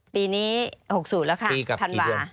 ปีนี้๖๐แล้วค่ะธันวา